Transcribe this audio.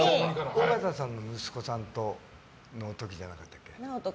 緒形さんの息子さんの時じゃなかったっけ。